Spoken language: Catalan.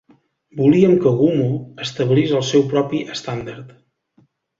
Volíem que "Gummo" establís el seu propi estàndard.